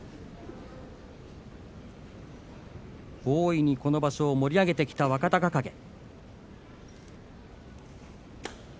大いにこの場所を盛り上げてきた若隆景。